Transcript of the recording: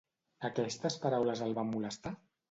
Aquestes paraules el van molestar?